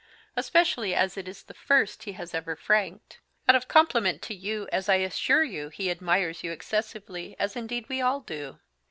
especially as it is the First he has ever franked; out of compliment to you, as I assure you he admires you excessively, as indeed we all do.